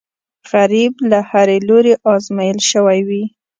غریب له هرې لورې ازمېیل شوی وي